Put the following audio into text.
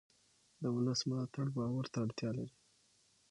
د ولس ملاتړ باور ته اړتیا لري